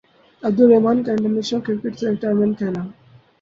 عبدالرحمن کا international cricket سے retirement کا اعلان